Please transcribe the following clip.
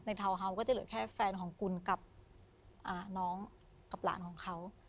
ทาวน์เฮาส์ก็จะเหลือแค่แฟนของคุณกับน้องกับหลานของเขา